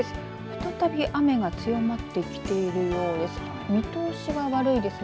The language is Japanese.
再び雨が強まってきているようです。